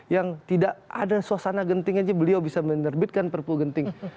yang tidak ada suasana genting aja beliau bisa menerbitkan perpu genting